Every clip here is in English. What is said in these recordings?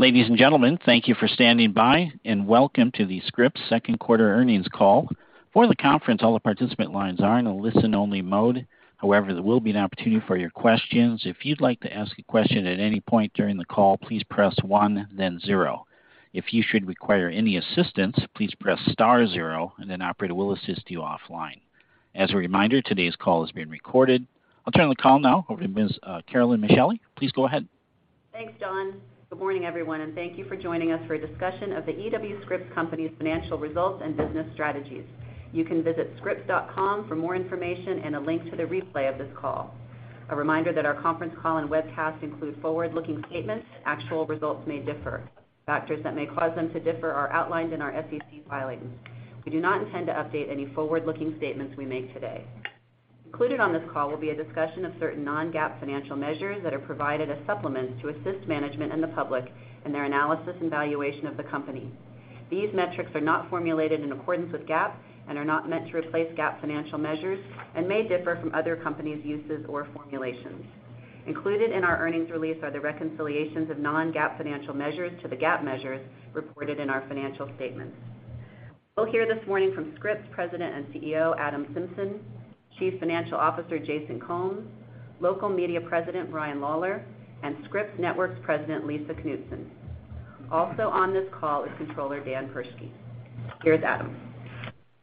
Ladies and gentlemen, thank you for standing by, and Welcome to the Scripps Q2 Earnings Call. For the conference, all the participant lines are in a listen-only mode. However, there will be an opportunity for your questions. If you'd like to ask a question at any point during the call, please press one, then zero. If you should require any assistance, please press star zero and an operator will assist you offline. As a reminder, today's call is being recorded. I'll turn the call now over to Ms. Carolyn Micheli. Please go ahead. Thanks, John. Good morning, everyone, and thank you for joining us for a discussion of The E.W. Scripps Company's financial results and business strategies. You can visit scripps.com for more information and a link to the replay of this call. A reminder that our conference call and webcast include forward-looking statements and actual results may differ. Factors that may cause them to differ are outlined in our SEC filings. We do not intend to update any forward-looking statements we make today. Included on this call will be a discussion of certain non-GAAP financial measures that are provided as supplements to assist management and the public in their analysis and valuation of the company. These metrics are not formulated in accordance with GAAP and are not meant to replace GAAP financial measures and may differ from other companies' uses or formulations. Included in our earnings release are the reconciliations of non-GAAP financial measures to the GAAP measures reported in our financial statements. We'll hear this morning from Scripps President and CEO, Adam Symson, Chief Financial Officer, Jason Combs, Local Media President, Brian Lawlor, and Scripps Networks President, Lisa Knutson. Also on this call is Comptroller, Dan Perschke. Here's Adam.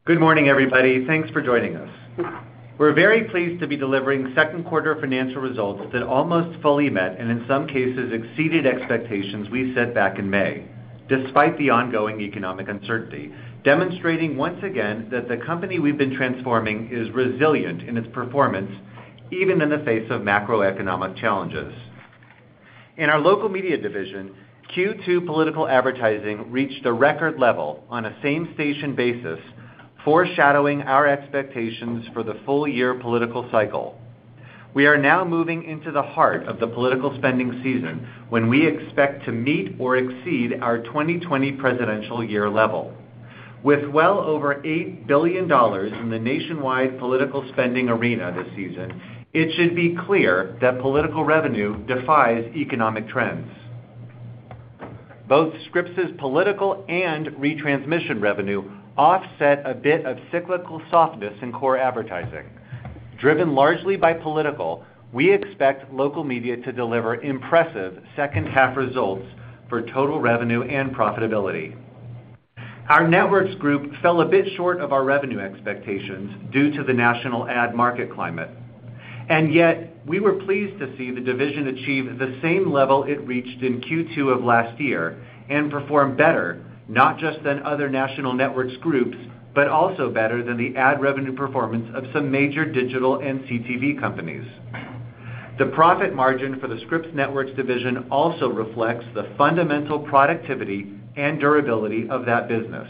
Good morning, everybody. Thanks for joining us. We're very pleased to be delivering Q2 financial results that almost fully met and in some cases exceeded expectations we set back in May, despite the ongoing economic uncertainty, demonstrating once again that the company we've been transforming is resilient in its performance even in the face of macroeconomic challenges. In our local media division, Q2 political advertising reached a record level on a same-station basis, foreshadowing our expectations for the full year political cycle. We are now moving into the heart of the political spending season when we expect to meet or exceed our 2020 presidential year level. With well over $8 billion in the nationwide political spending arena this season, it should be clear that political revenue defies economic trends. Both Scripps' political and retransmission revenue offset a bit of cyclical softness in core advertising. Driven largely by political, we expect local media to deliver impressive H2 results for total revenue and profitability. Our networks group fell a bit short of our revenue expectations due to the national ad market climate. Yet we were pleased to see the division achieve the same level it reached in Q2 of last year and perform better not just than other national networks groups, but also better than the ad revenue performance of some major digital and CTV companies. The profit margin for the Scripps Networks division also reflects the fundamental productivity and durability of that business.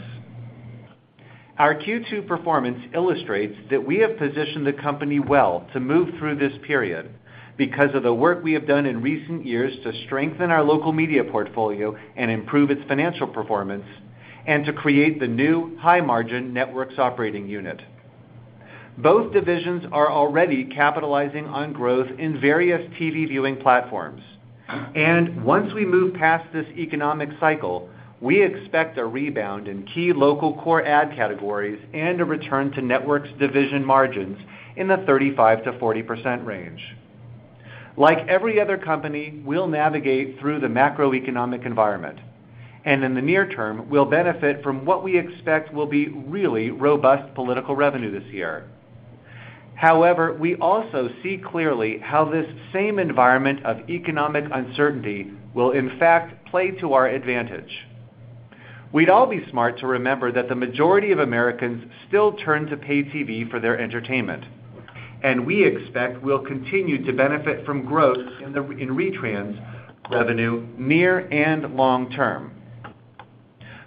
Our Q2 performance illustrates that we have positioned the company well to move through this period because of the work we have done in recent years to strengthen our local media portfolio and improve its financial performance and to create the new high-margin networks operating unit. Both divisions are already capitalizing on growth in various TV viewing platforms. Once we move past this economic cycle, we expect a rebound in key local core ad categories and a return to networks division margins in the 35%-40% range. Like every other company, we'll navigate through the macroeconomic environment, and in the near term, we'll benefit from what we expect will be really robust political revenue this year. However, we also see clearly how this same environment of economic uncertainty will in fact play to our advantage. We'd all be smart to remember that the majority of Americans still turn to paid TV for their entertainment, and we expect we'll continue to benefit from growth in retrans revenue near and long term.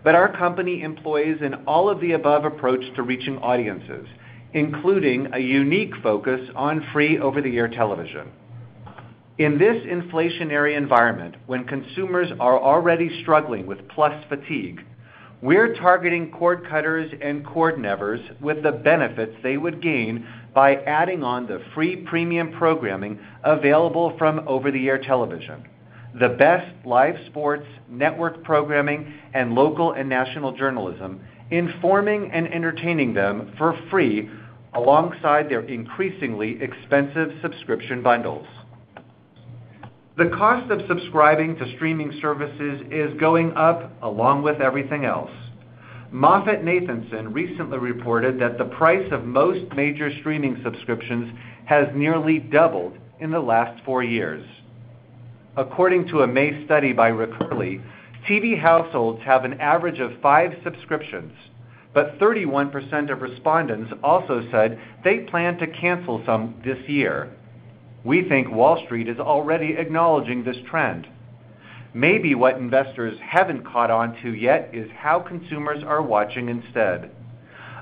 Our company employs an all-of-the-above approach to reaching audiences, including a unique focus on free over-the-air television. In this inflationary environment, when consumers are already struggling with plus fatigue, we're targeting cord cutters and cord nevers with the benefits they would gain by adding on the free premium programming available from over-the-air television. The best live sports, network programming, and local and national journalism informing and entertaining them for free alongside their increasingly expensive subscription bundles. The cost of subscribing to streaming services is going up along with everything else. MoffettNathanson recently reported that the price of most major streaming subscriptions has nearly doubled in the last 4 years. According to a May study by Recurly, TV households have an average of 5 subscriptions, but 31% of respondents also said they plan to cancel some this year. We think Wall Street is already acknowledging this trend. Maybe what investors haven't caught on to yet is how consumers are watching instead.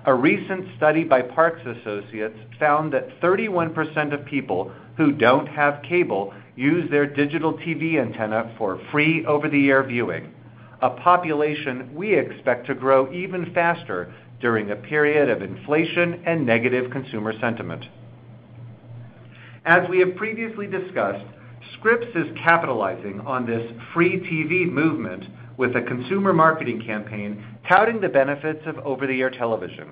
A recent study by Parks Associates found that 31% of people who don't have cable use their digital TV antenna for free over-the-air viewing, a population we expect to grow even faster during a period of inflation and negative consumer sentiment. We have previously discussed, Scripps is capitalizing on this free TV movement with a consumer marketing campaign touting the benefits of over-the-air television.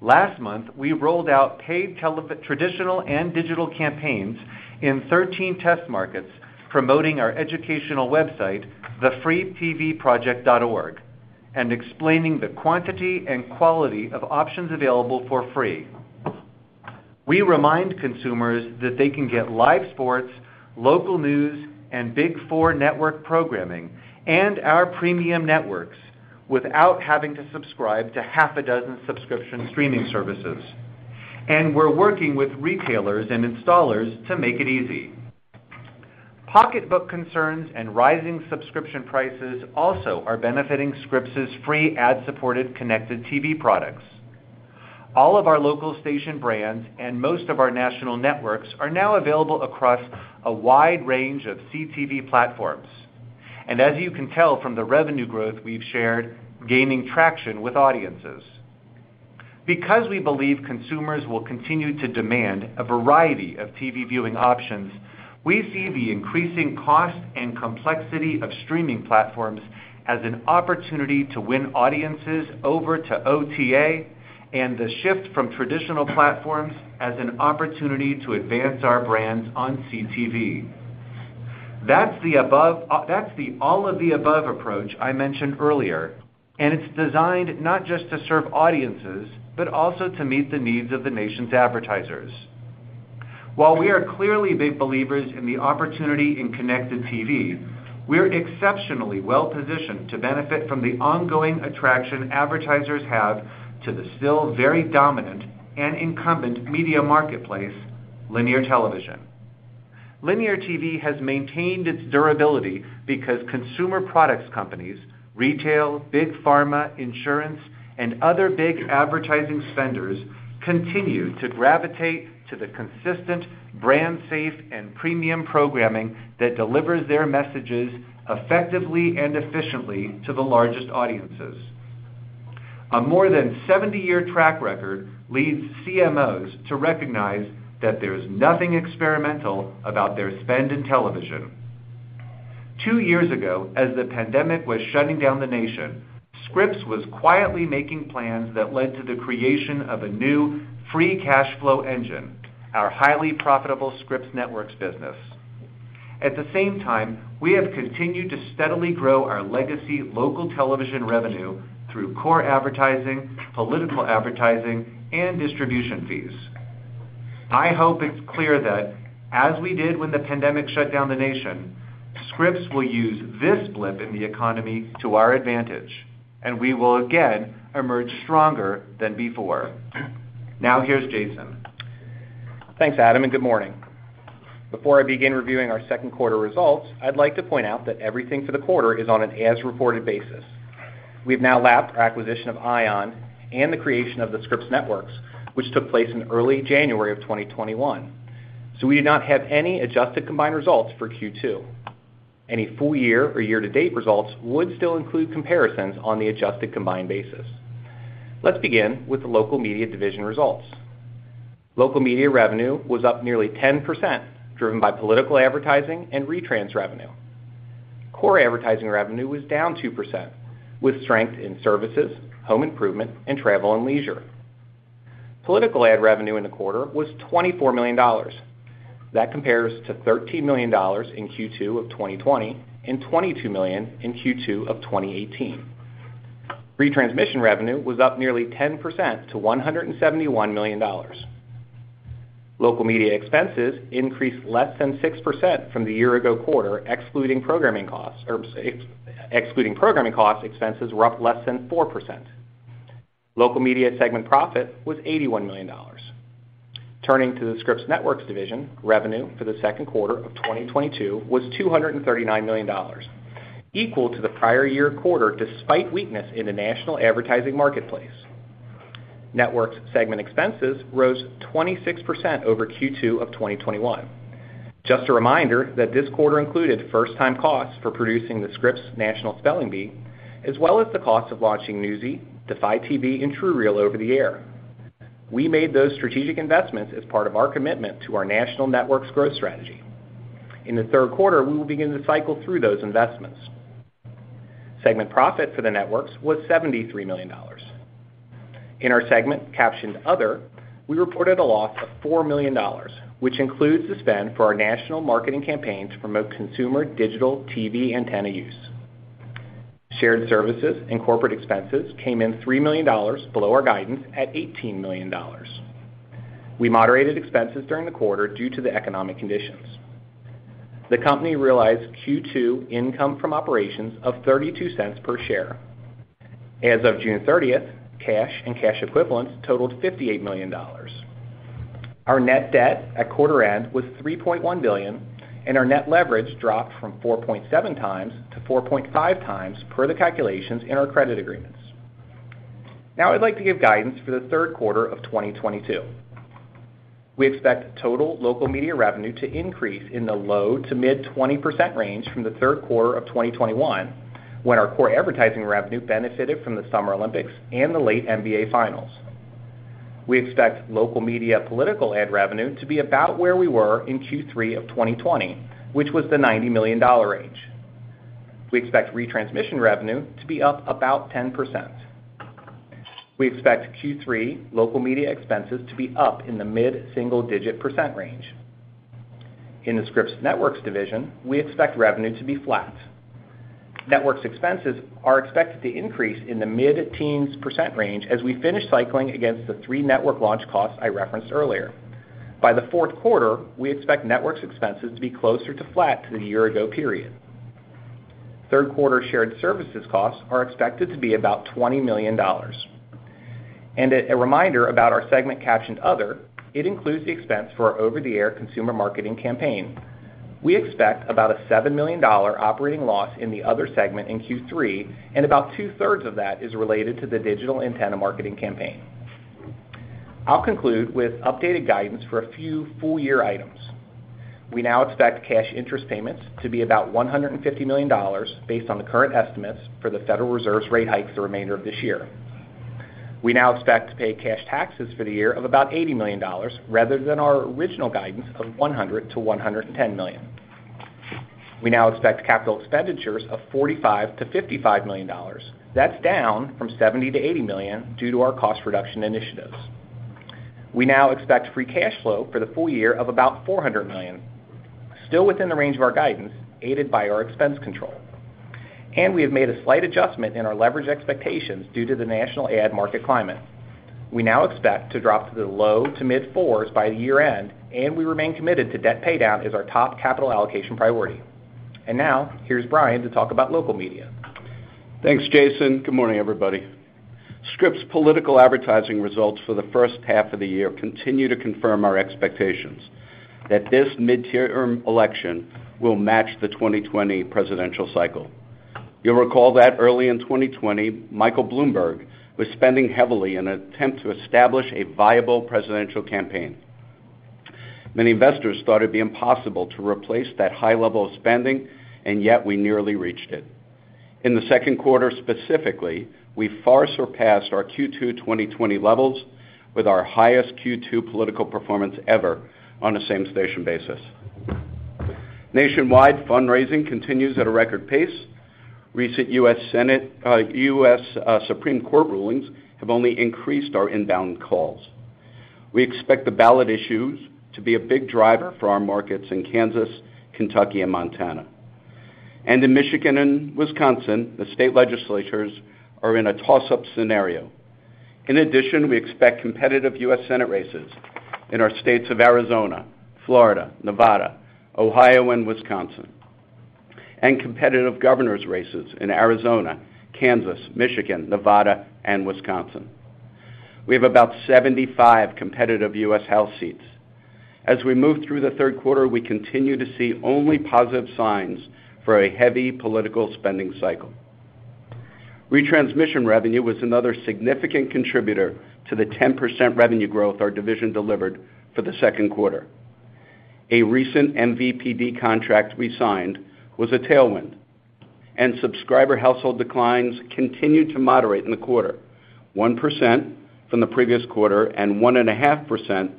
Last month, we rolled out paid traditional and digital campaigns in 13 test markets promoting our educational website, thefreetvproject.org, and explaining the quantity and quality of options available for free. We remind consumers that they can get live sports, local news, and Big Four network programming and our premium networks without having to subscribe to half a dozen subscription streaming services. We're working with retailers and installers to make it easy. Pocketbook concerns and rising subscription prices also are benefiting Scripps' free ad-supported connected TV products. All of our local station brands and most of our national networks are now available across a wide range of CTV platforms, and as you can tell from the revenue growth we've shared, gaining traction with audiences. Because we believe consumers will continue to demand a variety of TV viewing options, we see the increasing cost and complexity of streaming platforms as an opportunity to win audiences over to OTA and the shift from traditional platforms as an opportunity to advance our brands on CTV. That's the all of the above approach I mentioned earlier, and it's designed not just to serve audiences, but also to meet the needs of the nation's advertisers. While we are clearly big believers in the opportunity in connected TV, we're exceptionally well-positioned to benefit from the ongoing attraction advertisers have to the still very dominant and incumbent media marketplace, linear television. Linear TV has maintained its durability because consumer products companies, retail, big pharma, insurance, and other big advertising spenders continue to gravitate to the consistent, brand safe, and premium programming that delivers their messages effectively and efficiently to the largest audiences. A more than 70-year track record leads CMOs to recognize that there is nothing experimental about their spend in television. Two years ago, as the pandemic was shutting down the nation, Scripps was quietly making plans that led to the creation of a new free cash flow engine, our highly profitable Scripps Networks business. At the same time, we have continued to steadily grow our legacy local television revenue through core advertising, political advertising, and distribution fees. I hope it's clear that as we did when the pandemic shut down the nation, Scripps will use this blip in the economy to our advantage, and we will again emerge stronger than before. Now here's Jason. Thanks, Adam, and good morning. Before I begin reviewing our Q2 results, I'd like to point out that everything for the quarter is on an as-reported basis. We've now lapped our acquisition of ION and the creation of the Scripps Networks, which took place in early January of 2021. We do not have any adjusted combined results for Q2. Any full year or year-to-date results would still include comparisons on the adjusted combined basis. Let's begin with the local media division results. Local media revenue was up nearly 10%, driven by political advertising and retrans revenue. Core advertising revenue was down 2%, with strength in services, home improvement, and travel and leisure. Political ad revenue in the quarter was $24 million. That compares to $13 million in Q2 of 2020 and $22 million in Q2 of 2018. Retransmission revenue was up nearly 10% to $171 million. Local media expenses increased less than 6% from the year ago quarter. Excluding programming costs, expenses were up less than 4%. Local media segment profit was $81 million. Turning to the Scripps Networks division, revenue for the Q2 of 2022 was $239 million, equal to the prior year quarter despite weakness in the national advertising marketplace. Networks segment expenses rose 26% over Q2 of 2021. Just a reminder that this quarter included first-time costs for producing the Scripps National Spelling Bee, as well as the cost of launching Newsy, Defy TV and TrueReal over the air. We made those strategic investments as part of our commitment to our national networks growth strategy. In the Q3, we will begin to cycle through those investments. Segment profit for the networks was $73 million. In our segment captioned Other, we reported a loss of $4 million, which includes the spend for our national marketing campaign to promote consumer digital TV antenna use. Shared services and corporate expenses came in $3 million below our guidance at $18 million. We moderated expenses during the quarter due to the economic conditions. The company realized Q2 income from operations of $0.32 per share. As of June thirtieth, cash and cash equivalents totaled $58 million. Our net debt at quarter end was $3.1 billion, and our net leverage dropped from 4.7x to 4.5x per the calculations in our credit agreements. Now I'd like to give guidance for the Q3 of 2022. We expect total local media revenue to increase in the low to mid-20% range from the Q3 of 2021, when our core advertising revenue benefited from the Summer Olympics and the late NBA Finals. We expect local media political ad revenue to be about where we were in Q3 of 2020, which was the $90 million range. We expect retransmission revenue to be up about 10%. We expect Q3 local media expenses to be up in the mid-single-digit % range. In the Scripps Networks division, we expect revenue to be flat. Networks expenses are expected to increase in the mid-teens % range as we finish cycling against the three network launch costs I referenced earlier. By the Q4, we expect networks expenses to be closer to flat to the year-ago period. Q3 shared services costs are expected to be about $20 million. A reminder about our segment caption other, it includes the expense for our over-the-air consumer marketing campaign. We expect about a $7 million operating loss in the other segment in Q3, and about two-thirds of that is related to the digital antenna marketing campaign. I'll conclude with updated guidance for a few full year items. We now expect cash interest payments to be about $150 million based on the current estimates for the Federal Reserve's rate hikes the remainder of this year. We now expect to pay cash taxes for the year of about $80 million rather than our original guidance of $100 million-$110 million. We now expect capital expenditures of $45 million-$55 million. That's down from $70 million-$80 million due to our cost reduction initiatives. We now expect free cash flow for the full year of about $400 million, still within the range of our guidance aided by our expense control. We have made a slight adjustment in our leverage expectations due to the national ad market climate. We now expect to drop to the low-to-mid fours by the year-end, and we remain committed to debt paydown as our top capital allocation priority. Now here's Brian to talk about local media. Thanks, Jason. Good morning, everybody. Scripps political advertising results for the H1 of the year continue to confirm our expectations that this midterm election will match the 2020 presidential cycle. You'll recall that early in 2020, Michael Bloomberg was spending heavily in an attempt to establish a viable presidential campaign. Many investors thought it'd be impossible to replace that high level of spending, and yet we nearly reached it. In the Q2, specifically, we far surpassed our Q2 2020 levels with our highest Q2 political performance ever on a same-station basis. Nationwide fundraising continues at a record pace. Recent U.S. Supreme Court rulings have only increased our inbound calls. We expect the ballot issues to be a big driver for our markets in Kansas, Kentucky, and Montana. In Michigan and Wisconsin, the state legislators are in a toss-up scenario. In addition, we expect competitive U.S. Senate races in our states of Arizona, Florida, Nevada, Ohio, and Wisconsin. Competitive governors races in Arizona, Kansas, Michigan, Nevada, and Wisconsin. We have about 75 competitive U.S. House seats. As we move through the Q3, we continue to see only positive signs for a heavy political spending cycle. Retransmission revenue was another significant contributor to the 10% revenue growth our division delivered for the Q2. A recent MVPD contract we signed was a tailwind, and subscriber household declines continued to moderate in the quarter, 1% from the previous quarter and 1.5%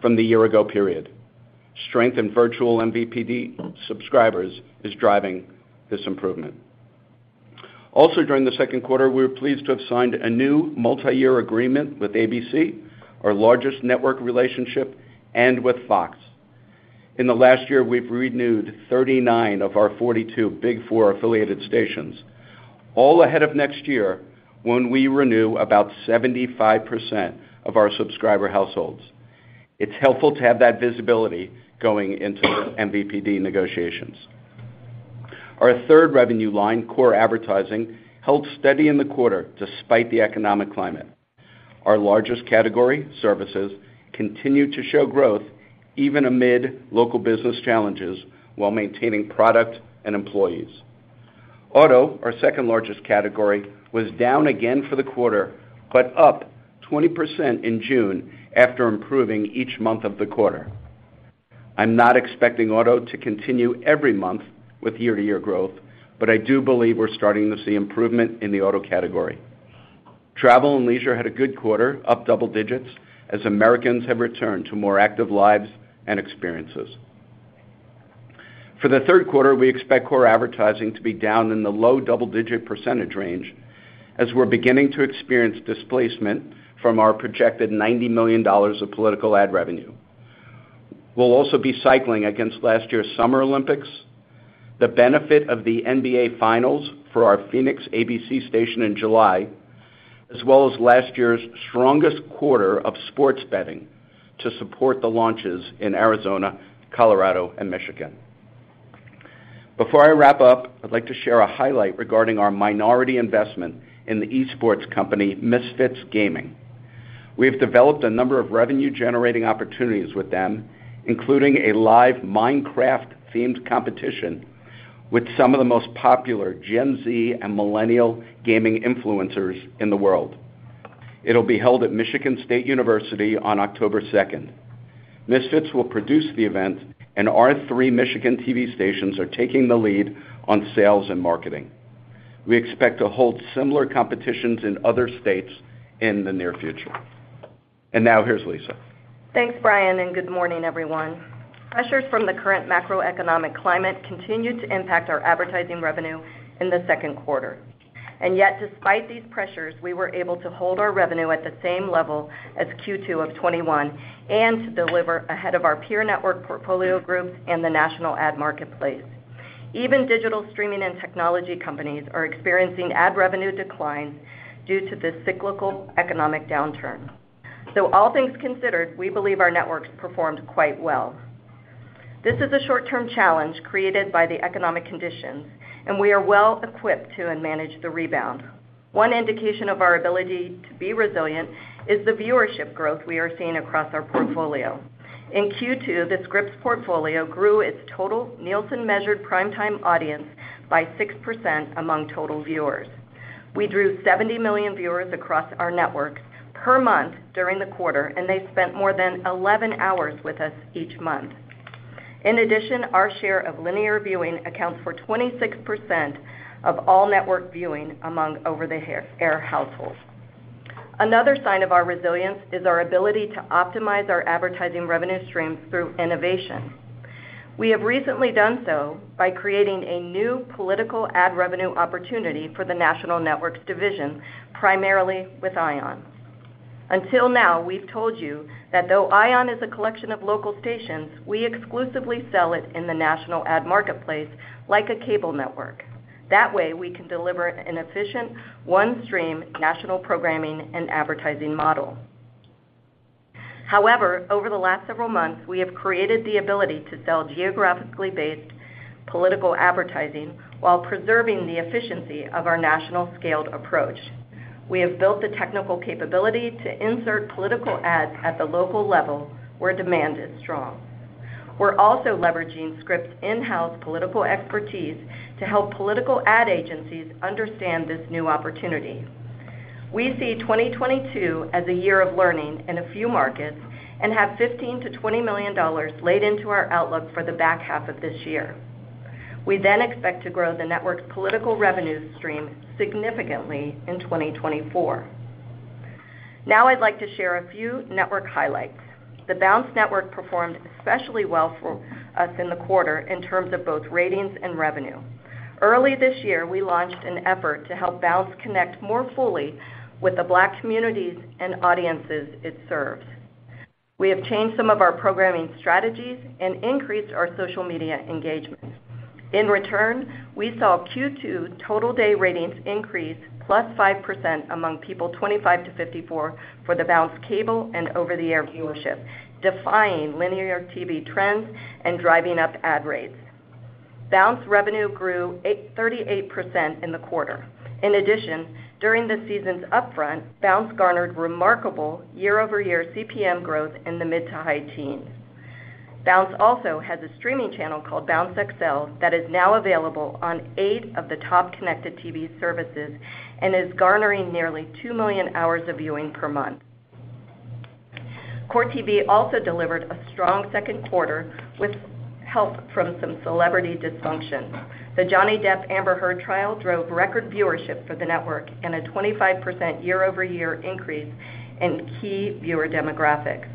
from the year-ago period. Strength in virtual MVPD subscribers is driving this improvement. Also, during the Q2, we were pleased to have signed a new multi-year agreement with ABC, our largest network relationship, and with Fox. In the last year, we've renewed 39 of our 42 Big Four affiliated stations, all ahead of next year when we renew about 75% of our subscriber households. It's helpful to have that visibility going into MVPD negotiations. Our third revenue line, core advertising, held steady in the quarter despite the economic climate. Our largest category, services, continued to show growth even amid local business challenges while maintaining product and employees. Auto, our second-largest category, was down again for the quarter, but up 20% in June after improving each month of the quarter. I'm not expecting auto to continue every month with year-to-year growth, but I do believe we're starting to see improvement in the auto category. Travel and leisure had a good quarter, up double digits, as Americans have returned to more active lives and experiences. For the Q3, we expect core advertising to be down in the low double-digit % range as we're beginning to experience displacement from our projected $90 million of political ad revenue. We'll also be cycling against last year's Summer Olympics, the benefit of the NBA Finals for our Phoenix ABC station in July, as well as last year's strongest quarter of sports betting to support the launches in Arizona, Colorado, and Michigan. Before I wrap up, I'd like to share a highlight regarding our minority investment in the e-sports company, Misfits Gaming. We have developed a number of revenue-generating opportunities with them, including a live Minecraft-themed competition with some of the most popular Gen Z and millennial gaming influencers in the world. It'll be held at Michigan State University on October second. Misfits will produce the event, and our three Michigan TV stations are taking the lead on sales and marketing. We expect to hold similar competitions in other states in the near future. Now, here's Lisa. Thanks, Brian, and good morning, everyone. Pressures from the current macroeconomic climate continued to impact our advertising revenue in the Q2. Yet despite these pressures, we were able to hold our revenue at the same level as Q2 of 2021 and deliver ahead of our peer network portfolio group in the national ad marketplace. Even digital streaming and technology companies are experiencing ad revenue declines due to the cyclical economic downturn. All things considered, we believe our networks performed quite well. This is a short-term challenge created by the economic conditions, and we are well equipped to manage the rebound. One indication of our ability to be resilient is the viewership growth we are seeing across our portfolio. In Q2, the Scripps portfolio grew its total Nielsen-measured primetime audience by 6% among total viewers. We drew 70 million viewers across our networks per month during the quarter, and they spent more than 11 hours with us each month. In addition, our share of linear viewing accounts for 26% of all network viewing among over-the-air households. Another sign of our resilience is our ability to optimize our advertising revenue streams through innovation. We have recently done so by creating a new political ad revenue opportunity for the national networks division, primarily with Ion. Until now, we've told you that though Ion is a collection of local stations, we exclusively sell it in the national ad marketplace like a cable network. That way, we can deliver an efficient one-stream national programming and advertising model. However, over the last several months, we have created the ability to sell geographically based political advertising while preserving the efficiency of our national scaled approach. We have built the technical capability to insert political ads at the local level where demand is strong. We're also leveraging Scripps' in-house political expertise to help political ad agencies understand this new opportunity. We see 2022 as a year of learning in a few markets and have $15 million-$20 million laid into our outlook for the back half of this year. We then expect to grow the network's political revenue stream significantly in 2024. Now I'd like to share a few network highlights. The Bounce network performed especially well for us in the quarter in terms of both ratings and revenue. Early this year, we launched an effort to help Bounce connect more fully with the Black communities and audiences it serves. We have changed some of our programming strategies and increased our social media engagement. In return, we saw Q2 total day ratings increase +5% among people 25-54 for the Bounce cable and over-the-air viewership, defying linear TV trends and driving up ad rates. Bounce revenue grew 38% in the quarter. In addition, during the season's upfront, Bounce garnered remarkable year-over-year CPM growth in the mid- to high-teens. Bounce also has a streaming channel called Bounce XL that is now available on 8 of the top connected TV services and is garnering nearly 2 million hours of viewing per month. Court TV also delivered a strong Q2 with help from some celebrity dysfunction. The Johnny Depp-Amber Heard trial drove record viewership for the network and a 25% year-over-year increase in key viewer demographics.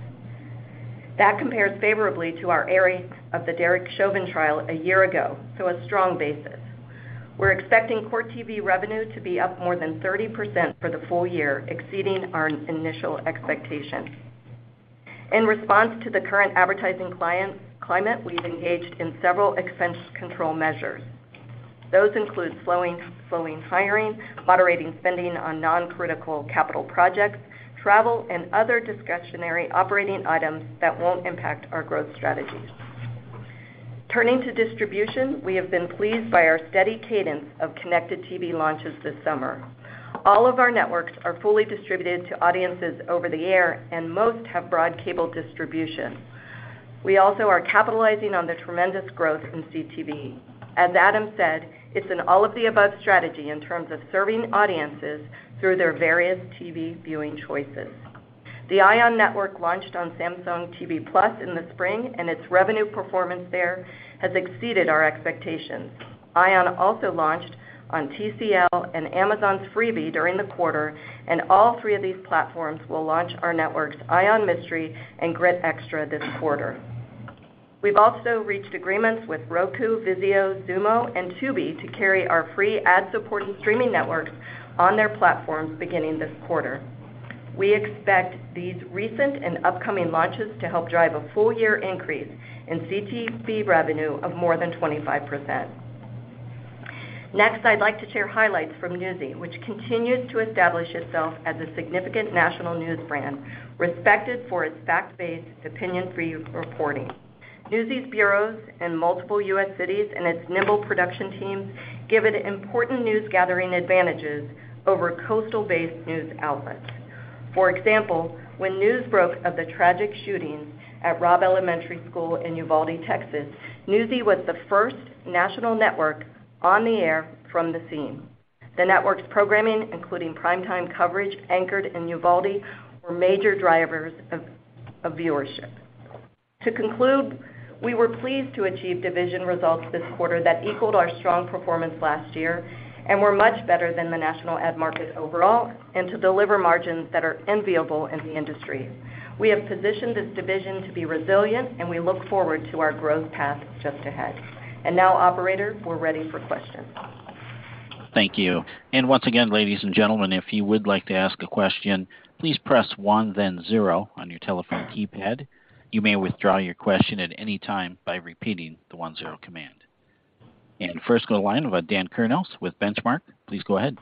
That compares favorably to our airings of the Derek Chauvin trial a year ago, so a strong basis. We're expecting Core TV revenue to be up more than 30% for the full year, exceeding our initial expectations. In response to the current advertising climate, we've engaged in several expense control measures. Those include slowing hiring, moderating spending on non-critical capital projects, travel, and other discretionary operating items that won't impact our growth strategies. Turning to distribution, we have been pleased by our steady cadence of connected TV launches this summer. All of our networks are fully distributed to audiences over the air, and most have broad cable distribution. We also are capitalizing on the tremendous growth in CTV. As Adam said, it's an all of the above strategy in terms of serving audiences through their various TV viewing choices. The Ion network launched on Samsung TV Plus in the spring, and its revenue performance there has exceeded our expectations. Ion also launched on TCL and Amazon's Freevee during the quarter, and all three of these platforms will launch our networks Ion Mystery and Grit Xtra this quarter. We've also reached agreements with Roku, Vizio, Xumo, and Tubi to carry our free ad-supported streaming networks on their platforms beginning this quarter. We expect these recent and upcoming launches to help drive a full-year increase in CTV revenue of more than 25%. Next, I'd like to share highlights from Newsy, which continues to establish itself as a significant national news brand respected for its fact-based, opinion-free reporting. Newsy's bureaus in multiple U.S. cities and its nimble production teams give it important news gathering advantages over coastal-based news outlets. For example, when news broke of the tragic shooting at Robb Elementary School in Uvalde, Texas, Newsy was the first national network on the air from the scene. The network's programming, including primetime coverage anchored in Uvalde, were major drivers of viewership. To conclude, we were pleased to achieve division results this quarter that equaled our strong performance last year and were much better than the national ad market overall and to deliver margins that are enviable in the industry. We have positioned this division to be resilient, and we look forward to our growth path just ahead. Now, operator, we're ready for questions. Thank you. Once again, ladies and gentlemen, if you would like to ask a question, please press one then zero on your telephone keypad. You may withdraw your question at any time by repeating the one zero command. First on the line, we've got Dan Kurnos with Benchmark. Please go ahead.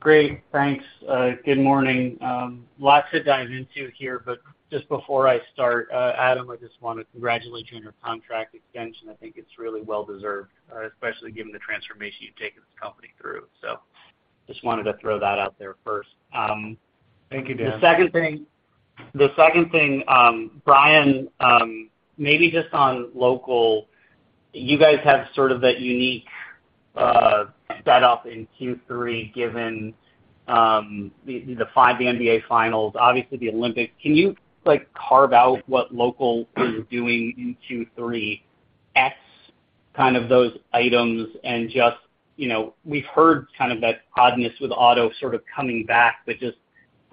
Great. Thanks. Good morning. Lots to dive into here, but just before I start, Adam, I just wanna congratulate you on your contract extension. I think it's really well deserved, especially given the transformation you've taken this company through. Just wanted to throw that out there first. Thank you, Dan. The second thing, Brian, maybe just on local, you guys have sort of that unique setup in Q3 given the five NBA Finals, obviously the Olympics. Can you, like, carve out what local is doing in Q3 ex, kind of those items? Just, you know, we've heard kind of that oddness with auto sort of coming back, but just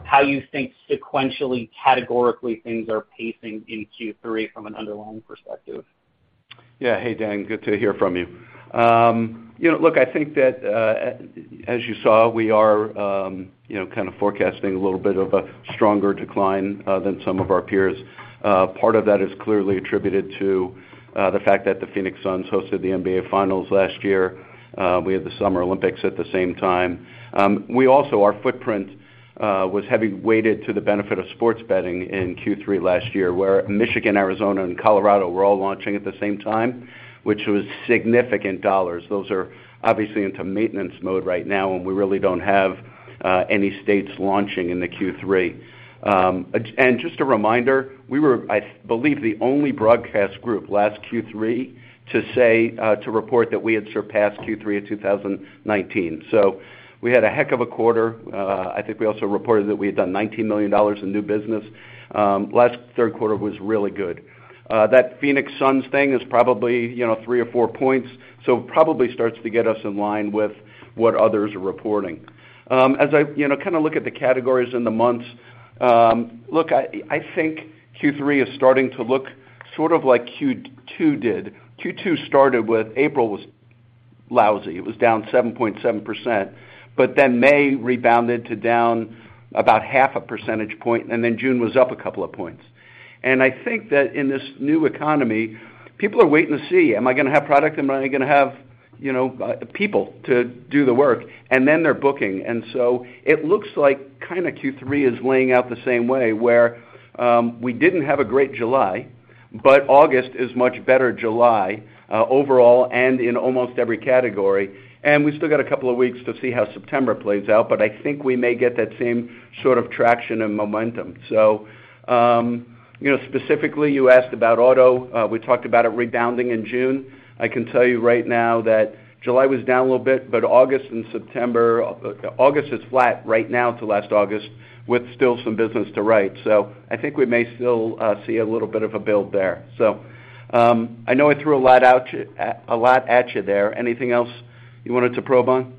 how you think sequentially, categorically things are pacing in Q3 from an underlying perspective. Yeah. Hey, Dan. Good to hear from you. You know, look, I think that, as you saw, we are, you know, kind of forecasting a little bit of a stronger decline than some of our peers. Part of that is clearly attributed to the fact that the Phoenix Suns hosted the NBA finals last year. We had the Summer Olympics at the same time. Our footprint was heavily weighted to the benefit of sports betting in Q3 last year, where Michigan, Arizona and Colorado were all launching at the same time, which was significant dollars. Those are obviously into maintenance mode right now, and we really don't have any states launching in the Q3. Just a reminder, we were, I believe, the only broadcast group last Q3 to report that we had surpassed Q3 of 2019. We had a heck of a quarter. I think we also reported that we had done $19 million in new business. Last Q3 was really good. That Phoenix Suns thing is probably, you know, three or four points, so probably starts to get us in line with what others are reporting. As I, you know, kinda look at the categories and the months, look, I think Q3 is starting to look sort of like Q2 did. Q2 started with April was lousy. It was down 7.7%, but then May rebounded to down about half a percentage point, and then June was up a couple of points. I think that in this new economy, people are waiting to see, am I gonna have product? Am I gonna have, you know, people to do the work? Then they're booking. So it looks like kinda Q3 is laying out the same way, where, we didn't have a great July, but August is much better July, overall and in almost every category. We still got a couple of weeks to see how September plays out, but I think we may get that same sort of traction and momentum. So, you know, specifically, you asked about auto. We talked about it rebounding in June. I can tell you right now that July was down a little bit, but August and September. August is flat right now to last August with still some business to write. I think we may still see a little bit of a build there. I know I threw a lot at you there. Anything else you wanted to probe on?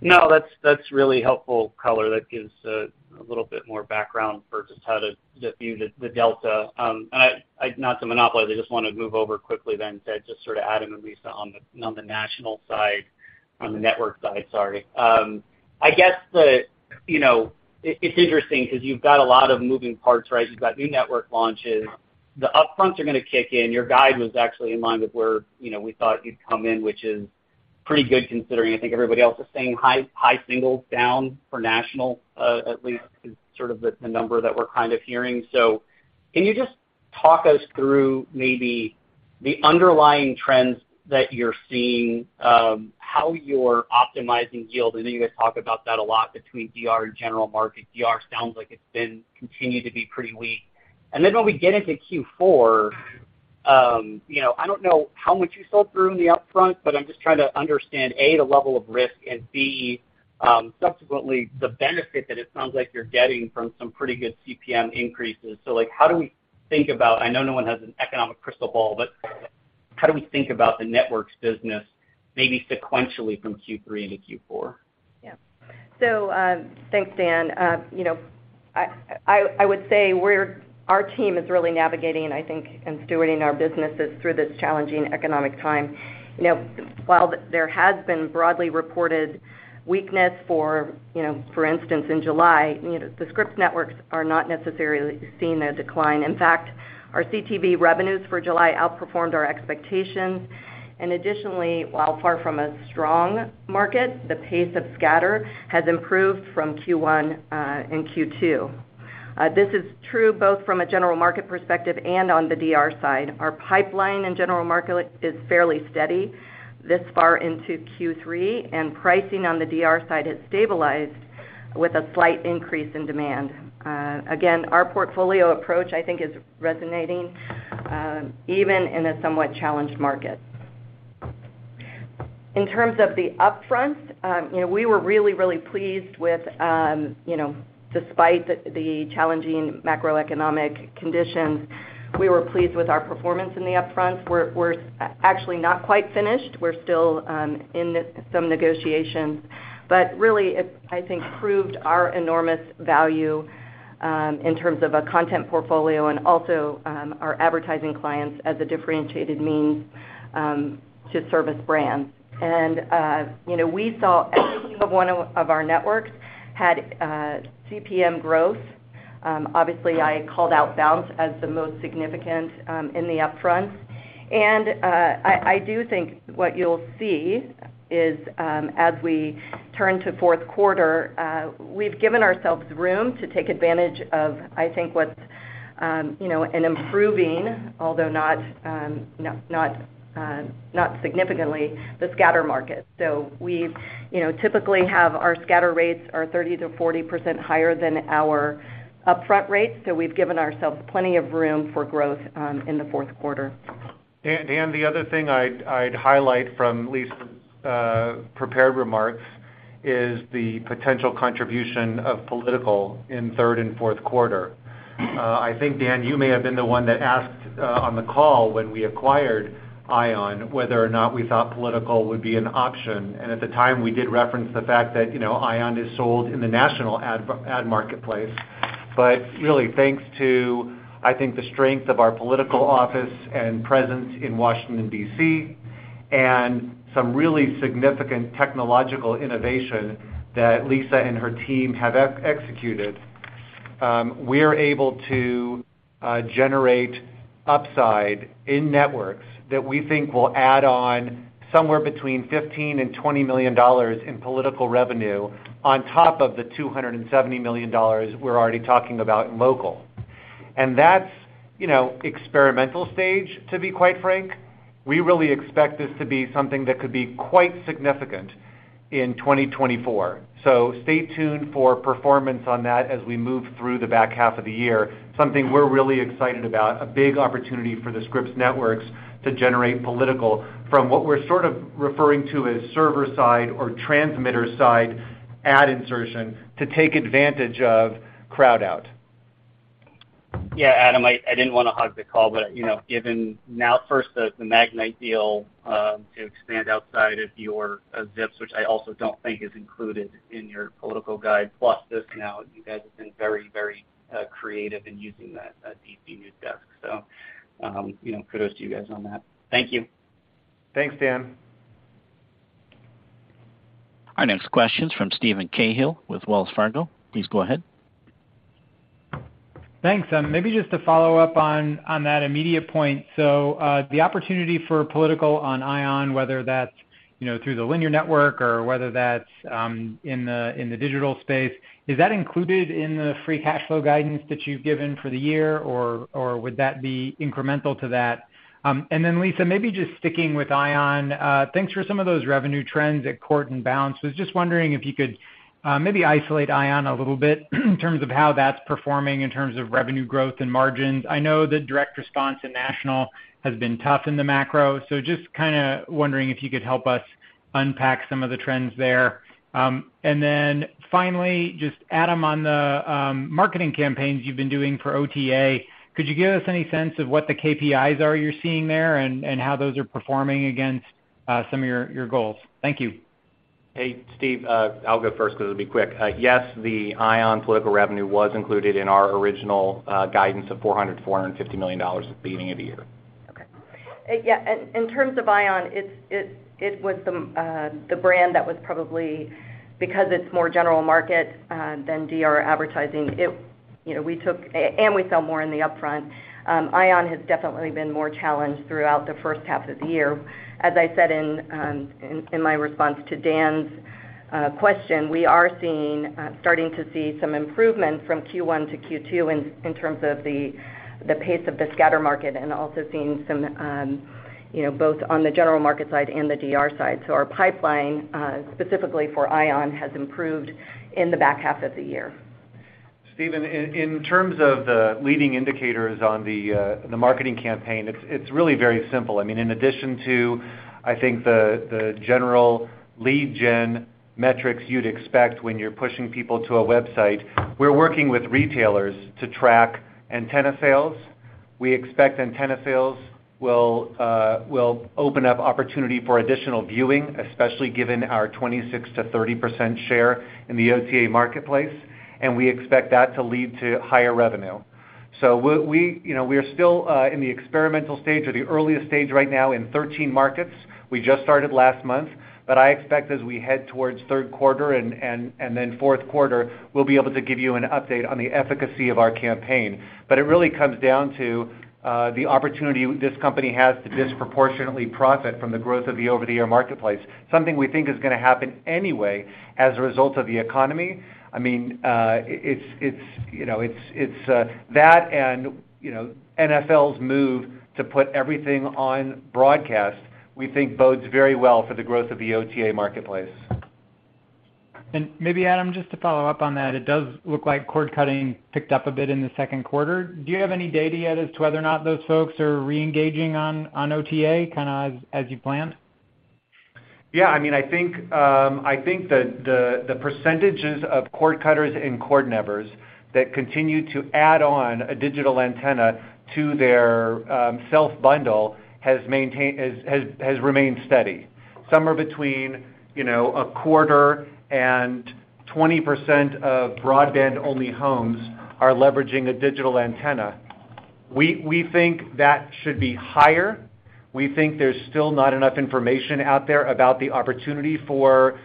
No, that's really helpful color. That gives a little bit more background for just how to view the delta. I'm not to monopolize. I just wanna move over quickly then to just sort of Adam and Lisa on the national side, on the network side. Sorry. I guess. You know, it's interesting 'cause you've got a lot of moving parts, right? You've got new network launches. The upfronts are gonna kick in. Your guidance was actually in line with where, you know, we thought you'd come in, which is pretty good considering I think everybody else is saying high single digits down for national, at least is sort of the number that we're kind of hearing. Can you just talk us through maybe the underlying trends that you're seeing, how you're optimizing yield? I know you guys talk about that a lot between DR and general market. DR sounds like it's been continued to be pretty weak. When we get into Q4, you know, I don't know how much you sold through in the upfront, but I'm just trying to understand, A, the level of risk, and B, subsequently the benefit that it sounds like you're getting from some pretty good CPM increases. Like, how do we think about the networks business maybe sequentially from Q3 into Q4? I know no one has an economic crystal ball, but how do we think about the networks business maybe sequentially from Q3 into Q4? Yeah. Thanks, Dan. You know, I would say our team is really navigating, and I think, and stewarding our businesses through this challenging economic time. You know, while there has been broadly reported weakness for, you know, for instance, in July, you know, the Scripps Networks are not necessarily seeing a decline. In fact, our CTV revenues for July outperformed our expectations. Additionally, while far from a strong market, the pace of scatter has improved from Q1 and Q2. This is true both from a general market perspective and on the DR side. Our pipeline in general market is fairly steady this far into Q3, and pricing on the DR side has stabilized with a slight increase in demand. Again, our portfolio approach, I think, is resonating even in a somewhat challenged market. In terms of the upfront, you know, we were really pleased with, you know, despite the challenging macroeconomic conditions, we were pleased with our performance in the upfront. We're actually not quite finished. We're still in some negotiations, but really, I think, it proved our enormous value in terms of a content portfolio and also our advertising clients as a differentiated means to service brands. You know, we saw every one of our networks had CPM growth. Obviously I called out Bounce as the most significant in the upfront. I do think what you'll see is as we turn to Q4, we've given ourselves room to take advantage of, I think, what's you know, an improving, although not significantly, the scatter market. We, you know, typically have our scatter rates 30%-40% higher than our upfront rates, so we've given ourselves plenty of room for growth in the Q4. Dan, the other thing I'd highlight from Lisa's prepared remarks is the potential contribution of political in third and Q4. I think, Dan, you may have been the one that asked on the call when we acquired ION, whether or not we thought political would be an option. At the time, we did reference the fact that, you know, ION is sold in the national ad marketplace. But really thanks to, I think, the strength of our political office and presence in Washington, D.C., and some really significant technological innovation that Lisa and her team have executed, we're able to generate upside in networks that we think will add on somewhere between $15 million-$20 million in political revenue on top of the $270 million we're already talking about in local. That's, you know, experimental stage, to be quite frank. We really expect this to be something that could be quite significant in 2024. Stay tuned for performance on that as we move through the back half of the year, something we're really excited about, a big opportunity for the Scripps Networks to generate political from what we're sort of referring to as server side or transmitter side ad insertion to take advantage of crowd out. Yeah, Adam Symson, I didn't wanna hog the call, but you know, given now first the Magnite deal to expand outside of your zips, which I also don't think is included in your political guidance, plus this now, you guys have been very creative in using that D.C. news desk. You know, kudos to you guys on that. Thank you. Thanks, Dan. Our next question is from Steven Cahall with Wells Fargo. Please go ahead. Thanks. Maybe just to follow up on that immediate point. The opportunity for political on ION, whether that's, you know, through the linear network or whether that's in the digital space, is that included in the free cash flow guidance that you've given for the year, or would that be incremental to that? Lisa, maybe just sticking with ION, thanks for some of those revenue trends at Court TV and Bounce TV. Was just wondering if you could maybe isolate ION a little bit in terms of how that's performing in terms of revenue growth and margins. I know the direct response in national has been tough in the macro, so just kinda wondering if you could help us unpack some of the trends there. Finally, just Adam, on the marketing campaigns you've been doing for OTA, could you give us any sense of what the KPIs are you're seeing there and how those are performing against some of your goals? Thank you. Hey, Steve, I'll go first 'cause it'll be quick. Yes, the ION political revenue was included in our original guidance of $400 million-$450 million at the beginning of the year. Okay. In terms of ION, it was the brand that was probably because it's more general market than DR advertising. You know, we sell more in the upfront. ION has definitely been more challenged throughout the H1 of the year. As I said in my response to Dan's question, we are starting to see some improvement from Q1 to Q2 in terms of the pace of the scatter market and also seeing some, you know, both on the general market side and the DR side. Our pipeline specifically for ION has improved in the back half of the year. Steven, in terms of the leading indicators on the marketing campaign, it's really very simple. I mean, in addition to, I think the general lead gen metrics you'd expect when you're pushing people to a website, we're working with retailers to track antenna sales. We expect antenna sales will open up opportunity for additional viewing, especially given our 26%-30% share in the OTA marketplace, and we expect that to lead to higher revenue. We you know we're still in the experimental stage or the earliest stage right now in 13 markets. We just started last month. I expect as we head towards Q3 and then Q4, we'll be able to give you an update on the efficacy of our campaign. It really comes down to the opportunity this company has to disproportionately profit from the growth of the over-the-air marketplace, something we think is gonna happen anyway as a result of the economy. I mean, it's that and, you know, NFL's move to put everything on broadcast, we think bodes very well for the growth of the OTA marketplace. Maybe Adam Symson, just to follow up on that, it does look like cord cutting picked up a bit in the Q2. Do you have any data yet as to whether or not those folks are re-engaging on OTA kinda as you planned? I mean, I think that the percentages of cord cutters and cord nevers that continue to add on a digital antenna to their self-bundle has remained steady. Somewhere between, you know, 25% and 20% of broadband-only homes are leveraging a digital antenna. We think that should be higher. We think there's still not enough information out there about the opportunity for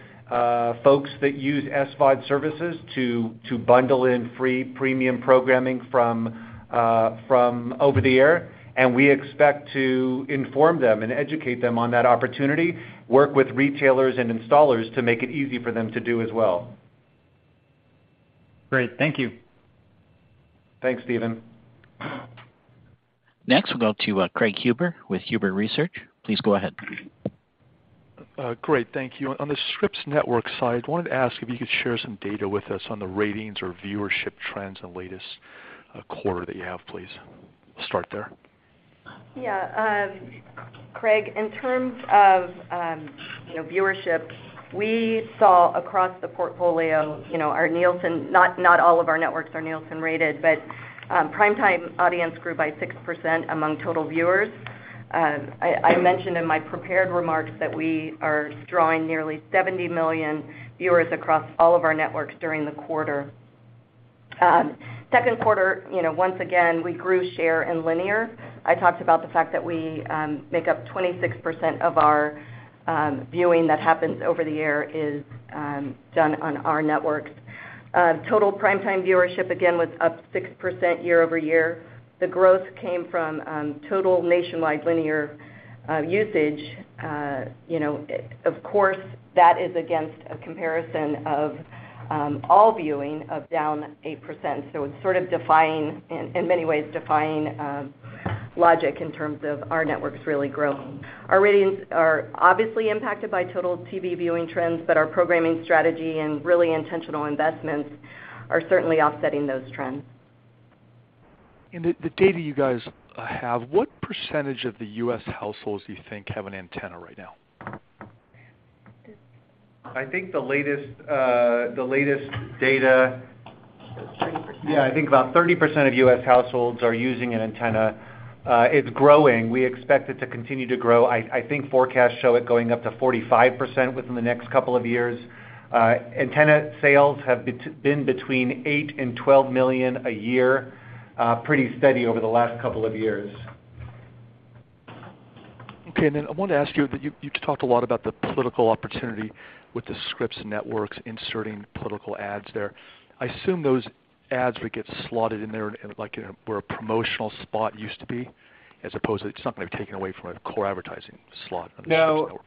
folks that use SVOD services to bundle in free premium programming from over the air, and we expect to inform them and educate them on that opportunity, work with retailers and installers to make it easy for them to do as well. Great. Thank you. Thanks, Steven. Next, we'll go to Craig Huber with Huber Research. Please go ahead. Great. Thank you. On the Scripps network side, wanted to ask if you could share some data with us on the ratings or viewership trends in the latest quarter that you have, please. Start there. Yeah. Craig, in terms of, you know, viewership, we saw across the portfolio, you know, our Nielsen, not all of our networks are Nielsen-rated, but, primetime audience grew by 6% among total viewers. I mentioned in my prepared remarks that we are drawing nearly 70 million viewers across all of our networks during the quarter. Q2, you know, once again, we grew share in linear. I talked about the fact that we make up 26% of our viewing that happens over the air is done on our networks. Total primetime viewership again was up 6% year-over-year. The growth came from total nationwide linear usage. You know, of course, that is against a comparison of all viewing down 8%. It's sort of defying, in many ways, logic in terms of our networks really growing. Our ratings are obviously impacted by total TV viewing trends, but our programming strategy and really intentional investments are certainly offsetting those trends. The data you guys have, what percentage of the U.S. households do you think have an antenna right now? I think the latest data. It's 30%. Yeah, I think about 30% of U.S. households are using an antenna. It's growing. We expect it to continue to grow. I think forecasts show it going up to 45% within the next couple of years. Antenna sales have been between 8-12 million a year, pretty steady over the last couple of years. Okay. Then I want to ask you've talked a lot about the political opportunity with the Scripps Networks inserting political ads there. I assume those ads would get slotted in there like in a, where a promotional spot used to be, as opposed to something taken away from a core advertising slot. No.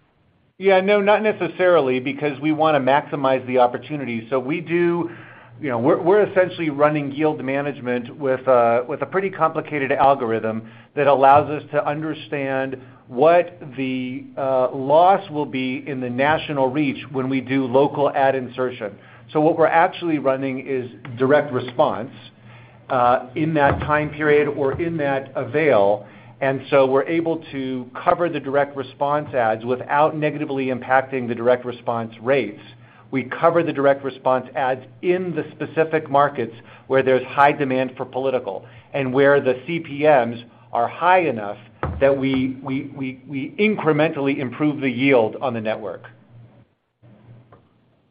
Yeah, no, not necessarily, because we wanna maximize the opportunity. We do. You know, we're essentially running yield management with a pretty complicated algorithm that allows us to understand what the loss will be in the national reach when we do local ad insertion. What we're actually running is direct response in that time period or in that avail, and so we're able to cover the direct response ads without negatively impacting the direct response rates. We cover the direct response ads in the specific markets where there's high demand for political and where the CPMs are high enough that we incrementally improve the yield on the network.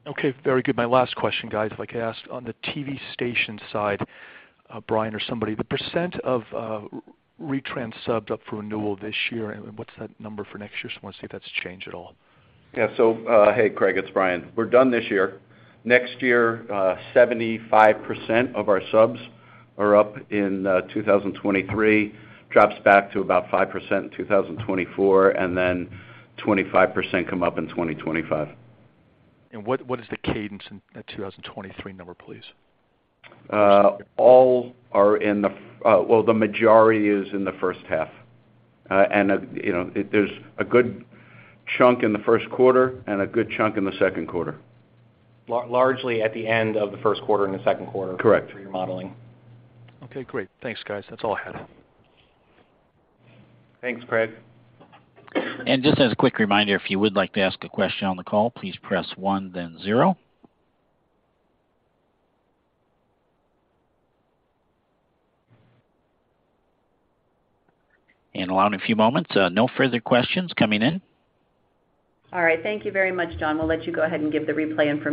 Okay. Very good. My last question, guys, if I could ask, on the TV station side, Brian or somebody, the percent of retrans subs up for renewal this year, and what's that number for next year? Just wanna see if that's changed at all. Hey, Craig, it's Brian. We're done this year. Next year, 75% of our subs are up in 2023. Drops back to about 5% in 2024, and then 25% come up in 2025. What is the cadence in that 2023 number, please? Well, the majority is in the H1. You know, there's a good chunk in the Q1 and a good chunk in the Q2. Largely at the end of the Q1 and the Q2. Correct. for your modeling. Okay, great. Thanks, guys. That's all I had. Thanks, Craig. Just as a quick reminder, if you would like to ask a question on the call, please press one then zero. Allow a few moments. No further questions coming in. All right. Thank you very much, John. We'll let you go ahead and give the replay information.